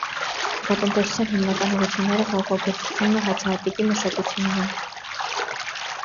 Գյուղատնտեսության հիմնական ուղղությունները խաղողագործությունն ու հացահատիկի մշակությունն են։